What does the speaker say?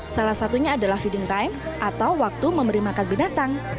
salah satunya adalah feeding time atau waktu memberi makan binatang